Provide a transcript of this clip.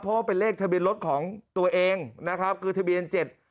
เพราะว่าเป็นเลขทะเบียนรถของตัวเองนะครับคือทะเบียนเจ็ด